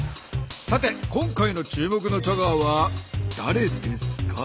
さて今回の注目のチャガーはだれですか？